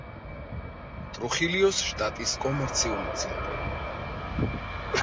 ტრუხილიოს შტატის კომერციული ცენტრი.